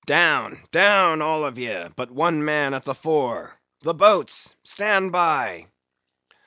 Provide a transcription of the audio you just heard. —Down! down all of ye, but one man at the fore. The boats!—stand by!"